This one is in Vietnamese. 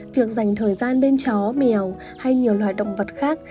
việc dành thời gian bên chó mèo hay nhiều loài động vật khác